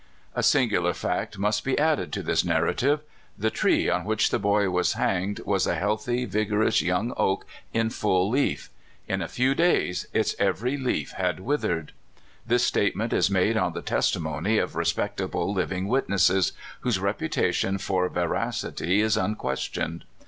A sinorular fact must be added to this narrative. The tree on which the boy was hanged was a healthy, vigorous young oak, in full leaf. In a few days its every leaf had zvithered! This state ment is made on the testimony of respectable liv ing witnesses, whose reputation for veracity is un questioned.